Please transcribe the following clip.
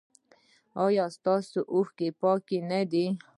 ایا ستاسو اوښکې پاکې نه دي؟